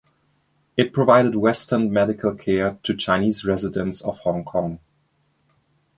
It provided Western medical care to Chinese residents of Hong Kong.